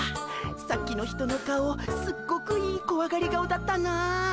さっきの人の顔すっごくいいこわがり顔だったなあ。